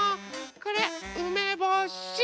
これうめぼし。